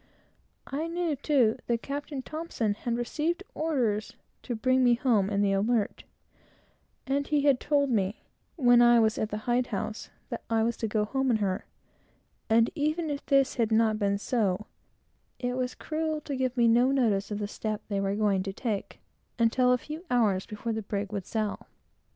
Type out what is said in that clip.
I knew, too, that Captain T had received orders to bring me home in the Alert, and he had told me, when I was at the hide house, that I was to go home in her; and even if this had not been so, it was cruel to give me no notice of the step they were going to take, until a few hours before the brig would sail.